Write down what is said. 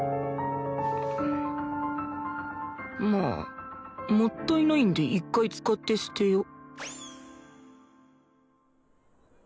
まあもったいないんで一回使って捨てよう